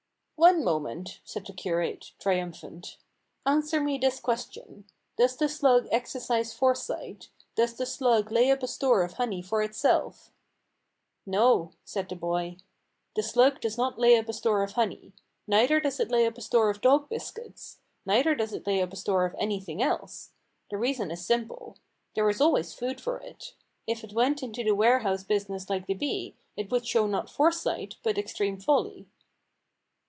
"One moment," said the curate, triumphant. "An swer me this question. Does the slug exercise fore sight, does the slug lay up a store of honey for itself ?" "No," said the boy. "The slug does not lay up a store of honey. Neither does it lay up a store of dog biscuits. Neither does it lay up a store of anything else. The reason is simple. There is always food for it. If it went into the warehouse business like the bee, it would show not foresight, but extreme folly."